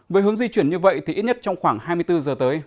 với hướng di chuyển như vậy thì ít nhất trong khoảng hai mươi bốn giờ tới